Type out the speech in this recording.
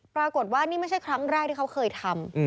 ปรากฏว่านี่ไม่ใช่ครั้งแรกที่เขาเคยทำ